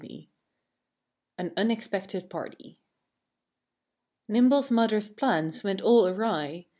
VI AN UNEXPECTED PARTY Nimble's mother's plans went all awry.